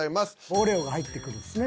オレオが入ってくるんですね。